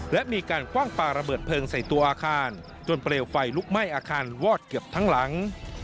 และมีการคว่างปลาระเบิดเพลิงใส่ตัวอาคารจนเปลวไฟลุกไหม้อาคารวอดเกือบทั้งหลัง